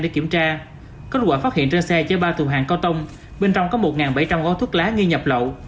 để kiểm tra kết quả phát hiện trên xe chế ba tù hàng cao tông bên trong có một bảy trăm linh gói thuốc lá nghi nhập lậu